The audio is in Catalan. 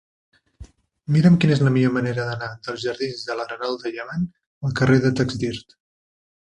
Mira'm quina és la millor manera d'anar dels jardins de l'Arenal de Llevant al carrer de Taxdirt.